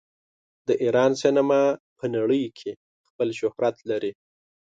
د ایران سینما په نړۍ کې خپل شهرت لري.